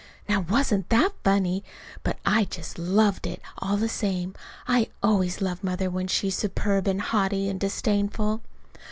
Now wasn't that funny? But I just loved it, all the same. I always love Mother when she's superb and haughty and disdainful.